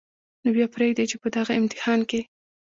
نو بیا پرېږدئ چې په دغه امتحان کې